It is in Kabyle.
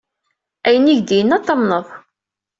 Ayen i k-d-yenna ad t-tamneḍ.